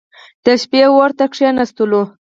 د شپې اور ته کښېنستلو.